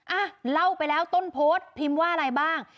อ่ะเล่าไปแล้วต้นโพสต์พิมพ์ว่าอะไรบ้าง